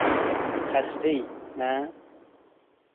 خستهای، نه؟